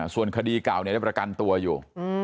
ส่วนคดีเก่าได้ประกันตัวอยู่